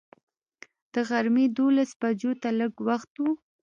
د غرمې دولس بجو ته لږ وخت و.